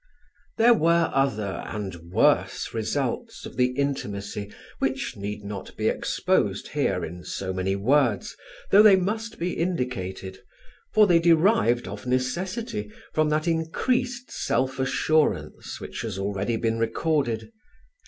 There were other and worse results of the intimacy which need not be exposed here in so many words, though they must be indicated; for they derived of necessity from that increased self assurance which has already been recorded.